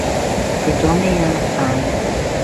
食咗咩啊？飯